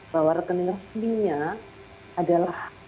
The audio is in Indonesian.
bahwa rekening resminya adalah